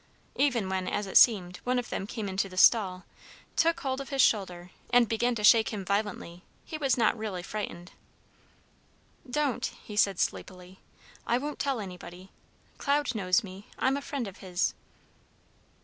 Even when, as it seemed, one of them came into the stall, took hold of his shoulder, and began to shake him violently, he was not really frightened. "Don't!" he said sleepily. "I won't tell anybody. Cloud knows me. I'm a friend of his."